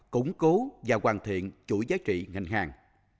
củng cố và hoàn thiện chuỗi giá trị ngành hàng